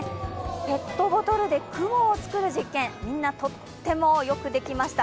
ペットボトルで雲を作る実験、みんなとってもよくできました。